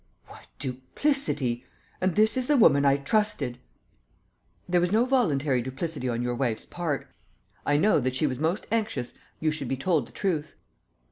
"What duplicity! And this is the woman I trusted!" "There was no voluntary duplicity on your wife's part. I know that she was most anxious you should be told the truth."